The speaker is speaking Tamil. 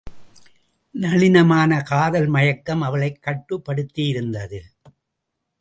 நளினமான காதல் மயக்கம் அவளைக் கட்டுப்படுத்தி யிருந்தது.